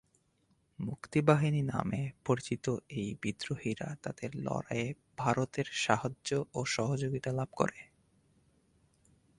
মুক্তিবাহিনী নামে পরিচিত এই বিদ্রোহীরা তাদের লড়াইয়ে ভারতের সাহায্য ও সহযোগীতা লাভ করে।